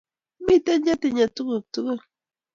Mitei chekitinyei tuguk tugul